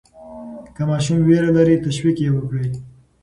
که ماشوم ویره لري، تشویق یې وکړئ.